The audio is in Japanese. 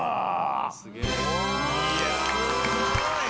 ・すごい！